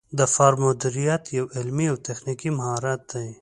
د فارم مدیریت یو علمي او تخنیکي مهارت دی.